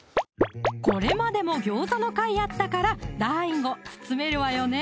これまでも餃子の回あったからＤＡＩＧＯ包めるわよね